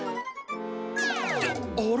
ってあれ？